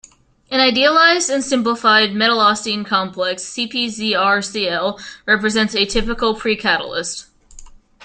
An idealized and simplified metallocene complex CpZrCl represents a typical precatalyst.